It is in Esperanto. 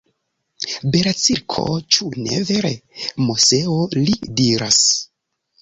Bela cirko, ĉu ne vere, Moseo? li diras.